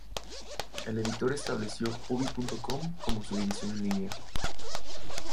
El editor estableció ubi.com como su división en línea.